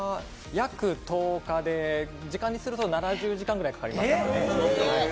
約１０日で、時間にすると７０時間ぐらいかかりました。